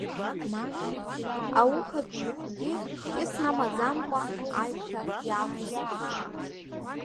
Аухатәи ихәгьы кьыс амаӡамкәа аишәа иаақәысхит.